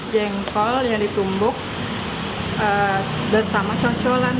jengkol yang ditumbuk bersama concolan